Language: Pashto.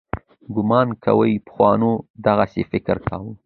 ګومان کوي پخوانو دغسې فکر کاوه.